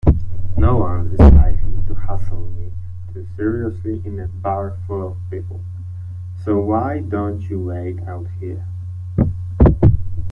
Noone is likely to hassle me too seriously in a bar full of people, so why don't you wait out here?